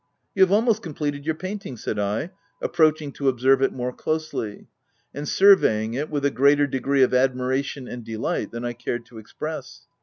6t You have almost completed your painting/* said I, approaching to observe it more closely, and surveying it with a greater degree of admi ration and delight than I cared to express.